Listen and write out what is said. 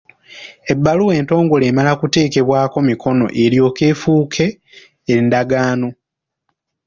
Ebbaluwa entongole emala kuteekebwako mikono n’eryoka efuuka endagaano.